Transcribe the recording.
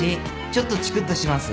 ちょっとチクッとします。